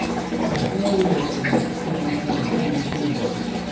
They held in all about seventeen hundred men.